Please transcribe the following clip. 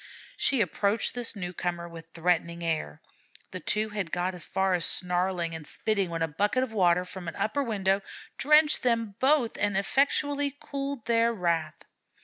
She approached this newcomer with threatening air. The two had got as far as snarling and spitting when a bucket of water from an upper window drenched them both and effectually cooled their wrath.